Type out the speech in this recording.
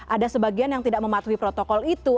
ada sebagian yang tidak mematuhi protokol itu